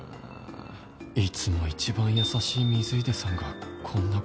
いつも一番優しい水出さんがこんな事